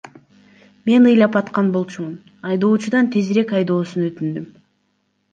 Мен ыйлап аткан болчумун, айдоочудан тезирээк айдоосун өтүндүм.